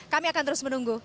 kami akan terus menunggu